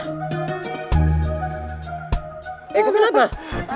eh kebeneran apa